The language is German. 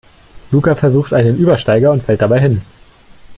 Luca versucht einen Übersteiger und fällt dabei hin.